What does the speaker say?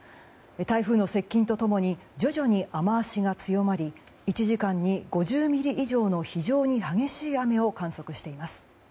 台風の接近と共に徐々に雨脚が強まり１時間に５０ミリ以上の非常に激しい雨を観測しています。